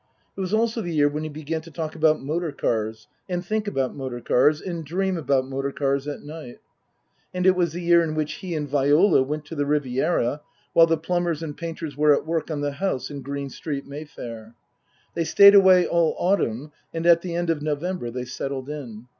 It was also the year when he began to talk about motor cars and fcnk about motor cars and dream about motor cars at night. And it was the year in which he and Viola went to the Riviera while the plumbers and painters were at work on the house in Green Street, Mayfair. They stayed away all autumn, and at the end of November they settled in.